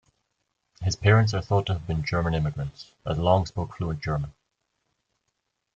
His parents are thought to have been German immigrants, as Long spoke fluent German.